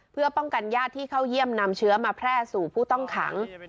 เพื่อป้องกันญาติที่เข้าเยี่ยมนำเชื้อมาแพร่สู่ผู้ต้องขัง